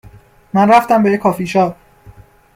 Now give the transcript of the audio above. من رفتم به یه کافی شاپ